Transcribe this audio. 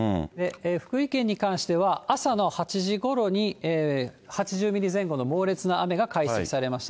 福井県に関しては、朝の８時ごろに、８０ミリ前後の猛烈な雨が観測されました。